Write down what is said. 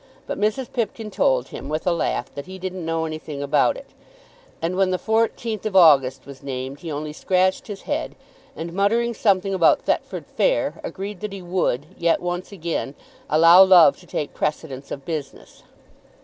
But Mrs. Pipkin told him with a laugh that he didn't know anything about it, and when the 14th of August was named he only scratched his head and, muttering something about Thetford fair, agreed that he would, yet once again, allow love to take precedence of business.